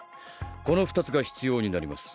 この２つが必要になります。